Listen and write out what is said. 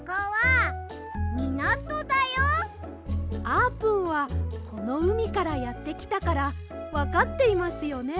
あーぷんはこのうみからやってきたからわかっていますよね？